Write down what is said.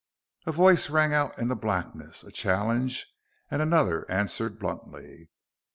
_ A voice rang out in the blackness, a challenge, and another answered bluntly.